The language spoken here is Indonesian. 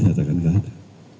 nyatakan tidak ada